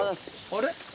あれ？